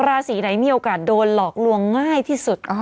ราศีไหนมีโอกาสโดนหลอกลวงง่ายที่สุด